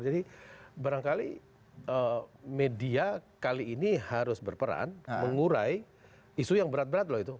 jadi barangkali media kali ini harus berperan mengurai isu yang berat berat loh itu